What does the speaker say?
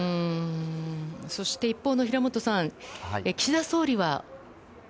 そして、一方の平本さん岸田総理は。